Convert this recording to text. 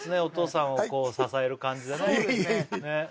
お父さんを支える感じでね